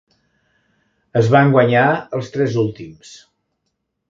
Es van guanyar els tres últims.